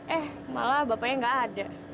eh malah bapaknya gak ada